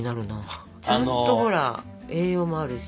ちゃんとほら栄養もあるし。